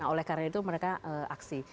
oleh karena itu mereka aksi